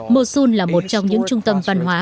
mosul là một trong những trung tâm văn hóa